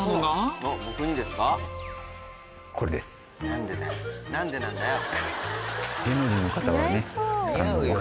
何でなんだよ！